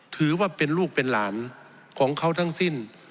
ถือว่าเป็นลูกเป็นหลานของเขาทั้งสิ้น